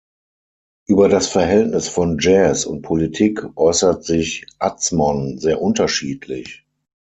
Über das Verhältnis von Jazz und Politik äußert sich Atzmon sehr unterschiedlich.